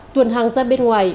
tuần hàng ra bên ngoài